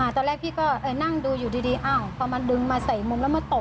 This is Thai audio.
ตอนแรกพี่ก็นั่งดูอยู่ดีอ้าวพอมาดึงมาใส่มุมแล้วมาตบ